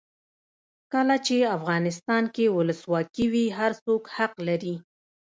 کله چې افغانستان کې ولسواکي وي هر څوک حق لري.